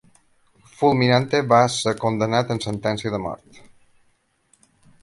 Fulminante va ésser condemnat amb sentència de mort.